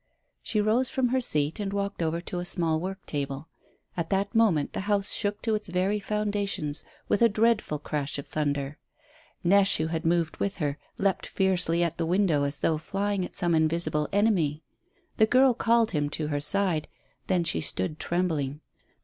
She rose from her seat and walked over to a small work table. At that moment the house shook to its very foundations with a dreadful crash of thunder. Neche, who had moved with her, leapt fiercely at the window as though flying at some invisible enemy. The girl called him to her side, then she stood trembling.